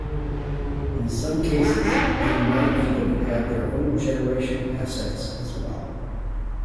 In some cases they might even have their own generation assets as well.